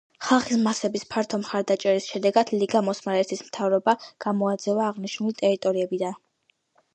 ხალხის მასების ფართო მხარდაჭერის შედეგად ლიგამ ოსმალეთის მთავრობა გამოაძევა აღნიშნული ტერიტორიებიდან.